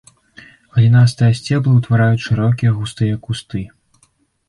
Галінастыя сцеблы ўтвараюць шырокія густыя кусты.